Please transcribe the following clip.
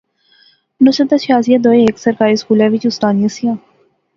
نصرت تے شازیہ دوئے ہیک سرکاری سکولے وچ اُستانیاں سیاں